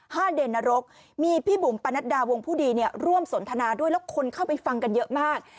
เด่นนรกมีพี่บุ๋มปนัดดาวงผู้ดีเนี่ยร่วมสนทนาด้วยแล้วคนเข้าไปฟังกันเยอะมาก